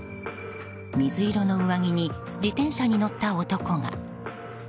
水色の上着に自転車に乗った男が。